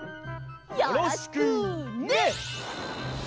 よろしくね！